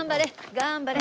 頑張れ！